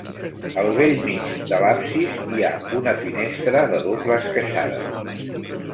Al bell mig de l'absis hi ha una finestra de doble esqueixada.